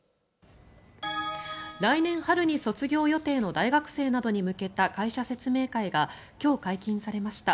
来年春に卒業予定の大学生などに向けた会社説明会が今日、解禁されました。